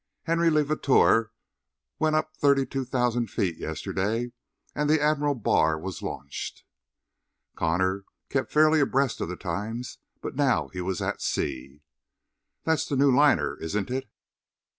Henry Levateur went up thirty two thousand feet yesterday and the Admiral Barr was launched." Connor kept fairly abreast of the times, but now he was at sea. "That's the new liner, isn't it?"